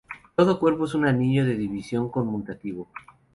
Todo cuerpo es un anillo de división conmutativo.